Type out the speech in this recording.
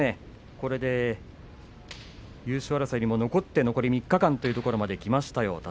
これで優勝争いにも残って残り３日間というところまできましたね。